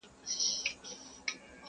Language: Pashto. د قسمت پر تور اورغوي هره ورځ ګورم فالونه!.